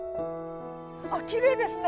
あっきれいですね！